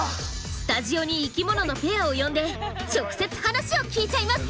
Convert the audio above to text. スタジオに生きもののペアを呼んで直接話を聞いちゃいます！